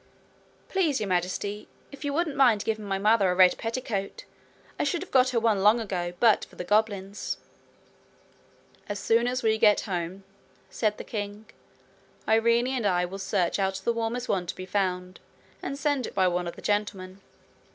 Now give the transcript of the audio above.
Please, Your Majesty, if you wouldn't mind giving my mother a red petticoat! I should have got her one long ago, but for the goblins.' 'As soon as we get home,' said the king, 'Irene and I will search out the warmest one to be found, and send it by one of the gentlemen.'